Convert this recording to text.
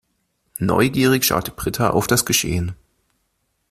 Neugierig schaute Britta auf das Geschehen.